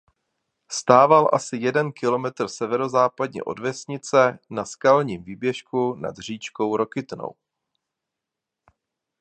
Stával asi jeden kilometr severozápadně od vesnice na skalním výběžku nad říčkou Rokytnou.